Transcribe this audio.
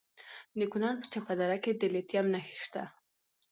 د کونړ په چپه دره کې د لیتیم نښې شته.